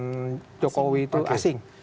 nah itu kan jokowi itu asing